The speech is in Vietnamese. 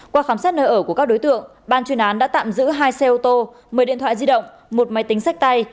qua khám xét nơi ở của các đối tượng ban chuyên án đã tạm giữ hai xe ô tô một mươi điện thoại di động một máy tính sách tay